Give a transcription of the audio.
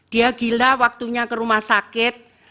dia gila waktunya ke rumah sakit